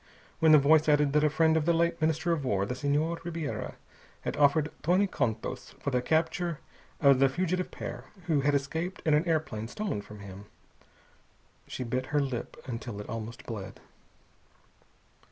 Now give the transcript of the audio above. When the voice added that a friend of the late Minister of War, the Senhor Ribiera, had offered twenty contos for the capture of the fugitive pair, who had escaped in an airplane stolen from him, she bit her lip until it almost bled.